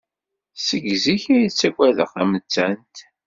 Seg zik ay ttagadeɣ tamettant.